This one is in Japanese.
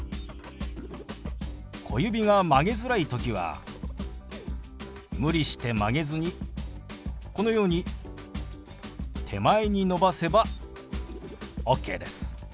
小指が曲げづらい時は無理して曲げずにこのように手前に伸ばせばオッケーです。